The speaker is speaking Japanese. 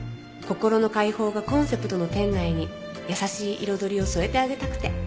「心の解放がコンセプトの店内に優しい彩りを添えてあげたくて」